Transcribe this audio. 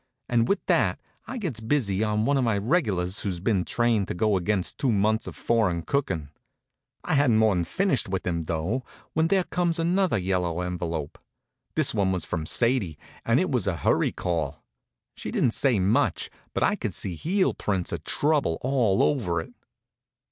And with that I gets busy on one of my reg'lars who's bein' trained to go against two months of foreign cookin'. I hadn't more'n finished with him, though, when there comes another yellow envelop. This one was from Sadie, and it was a hurry call. She didn't say much; but I could see heel prints of trouble all over it.